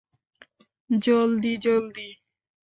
জলদি, জলদি!